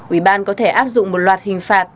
ủy ban có thể áp dụng một loạt hình phạt